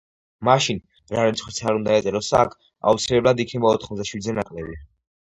მაშინ, რა რიცხვიც არ უნდა ეწეროს აქ, აუცილებლად იქნება ოთხმოცდაშვიდზე ნაკლები.